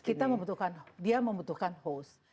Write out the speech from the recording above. kita membutuhkan dia membutuhkan host